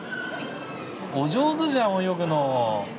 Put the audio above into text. お上手じゃん、泳ぐの。